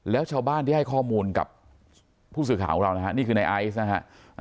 แล้วชาวบ้านที่ให้ข้อมูลกับผู้สื่อข่าวของเรานะฮะนี่คือในไอซ์นะฮะ